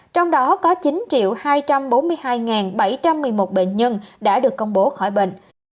trong đó có chín hai trăm bốn mươi hai bảy trăm một mươi một bệnh nhân đã được công bố khỏi bệnh